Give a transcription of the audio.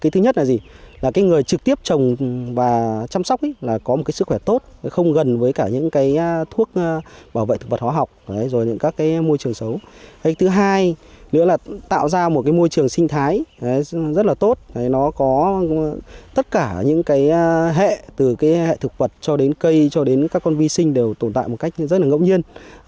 thứ nhất là người trực tiếp trồng và chăm sóc có một sức khỏe tốt không gần với những thuốc bảo vệ thực vật hóa học và các môi trường xấu thứ hai là tạo ra một môi trường sinh thái rất là tốt nó có tất cả những hệ từ hệ thực vật cho đến cây cho đến các con vi sinh đều tồn tại một cách rất ngẫu nhiên